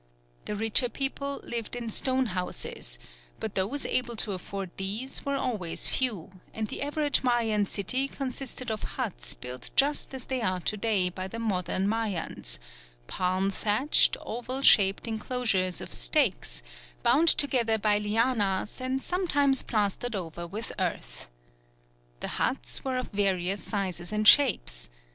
The richer people lived in stone houses, but those able to afford these were always few, and the average Mayan city consisted of huts built just as they are to day by the modern Mayans; palm thatched, oval shaped enclosures of stakes bound together by lianas and sometimes plastered over with earth. The huts were of various sizes and shapes.